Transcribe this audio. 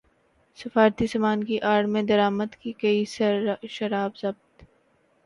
سفارتی سامان کی اڑ میں درامد کی گئی شراب ضبط